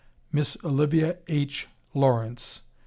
MISS OLIVIA H. LAWRENCE.